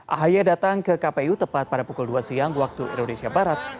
ahy datang ke kpu tepat pada pukul dua siang waktu indonesia barat